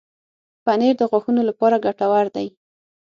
پنېر د غاښونو لپاره ګټور دی.